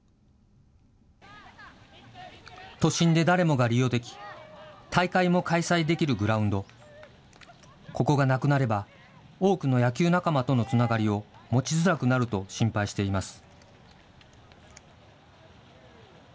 都心で誰もが利用でき、大会も開催できるグラウンド、ここがなくなれば、多くの野球仲間とのつながりを、持ちづらくなると心配しています。